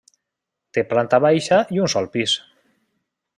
Té planta baixa i un sol pis.